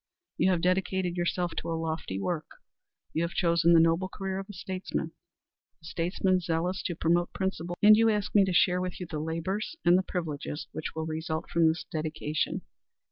You have dedicated yourself to a lofty work; you have chosen the noble career of a statesman a statesman zealous to promote principles in which we both believe. And you ask me to share with you the labors and the privileges which will result from this dedication.